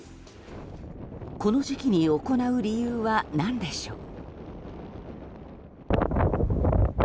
この時期に行う理由は何でしょう。